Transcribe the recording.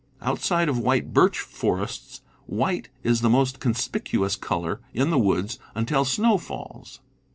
Outside of white birch forests, white is the most con spicuous color in the woods, until snow falls.